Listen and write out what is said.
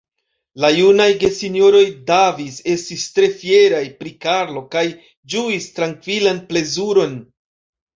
La junaj gesinjoroj Davis estis tre fieraj pri Karlo kaj ĝuis trankvilan plezuron.